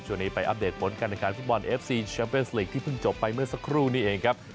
ช่วงนี้ไปอัปเดตผลการแข่งขันฟุตบอลเอฟซีแชมเปญสลีกที่เพิ่งจบไปเมื่อสักครู่นี้เองครับ